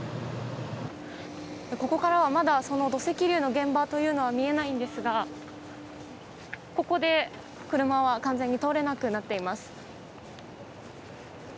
ここからはまだその土石流の現場は見えないんですがここで車は完全に通れなくなっています。